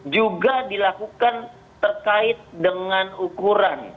juga dilakukan terkait dengan ukuran